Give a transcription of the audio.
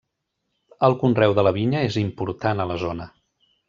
El conreu de la vinya és important a la zona.